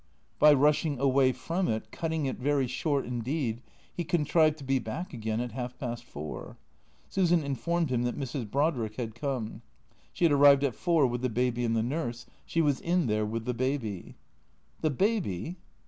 By rushing away from it, cutting it very short indeed, he contrived to be back again at half past four. Susan informed him that Mrs. Brodrick had come. She had arrived at four with the baby and the nurse. She was in there with the baby. " The baby